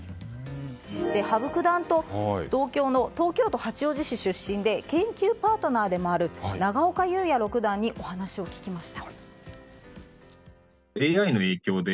羽生九段と同郷の東京都八王子市出身で研究パートナーでもある長岡裕也六段にお話を聞きました。